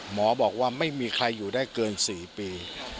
หมอบอกว่าไม่มีใครอยู่ได้เกิน๔ปี